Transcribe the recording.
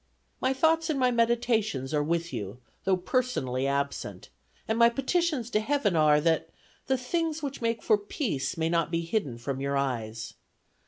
"My thoughts and my meditations are with you, though personally absent; and my petitions to Heaven are, that 'the things which make for peace may not be hidden from your eyes.'